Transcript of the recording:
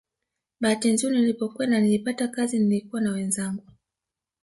Bahati nzuri nilipokwenda nilipata kazi nilikuwa na wenzangu